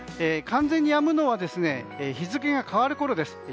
完全にやむのは日付が変わるころです。